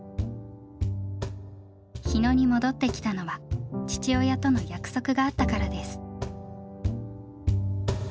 日野に戻って来たのは父親との約束があったからです。